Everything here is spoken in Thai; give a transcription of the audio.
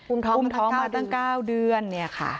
อุ้มท้องมาตั้ง๙เดือน